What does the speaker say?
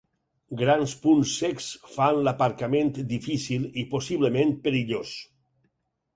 Grans punts cecs fan l'aparcament difícil i, possiblement, perillós.